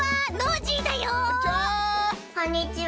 こんにちは！